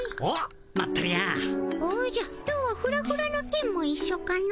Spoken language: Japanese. おじゃ今日はフラフラのケンもいっしょかの？